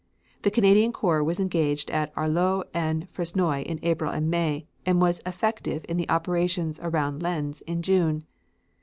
The Canadian corps was engaged at Arleux and Fresnoy in April and May and was effective in the operations around Lens in June.